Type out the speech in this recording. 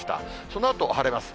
そのあと晴れます。